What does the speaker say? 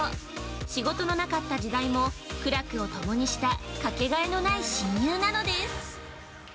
仕事のなかった時代も苦楽を共にしたかけがえのない親友なのです。